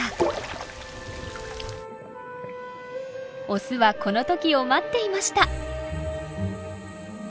オスはこの時を待っていました。